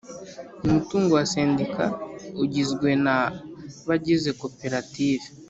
Umutungo wa Sendika ugizwe na bagize koperative